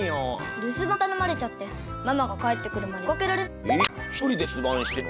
留守番たのまれちゃってママが帰ってくるまで出かけられなかったの。